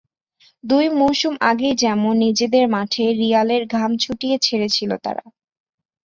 দুই মৌসুম আগেই যেমন নিজেদের মাঠে রিয়ালের ঘাম ছুটিয়ে ছেড়েছিল তারা।